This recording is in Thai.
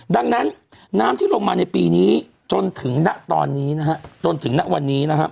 ดังนั้นน้ำที่ลงมาในปีนี้จนถึงณตอนนี้นะฮะจนถึงณวันนี้นะครับ